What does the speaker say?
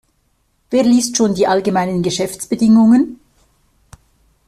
Wer liest schon die allgemeinen Geschäftsbedingungen?